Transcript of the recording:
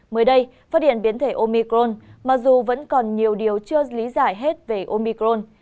mới đây phát điện biến thể omicron mặc dù vẫn còn nhiều điều chưa lý giải hết về omicron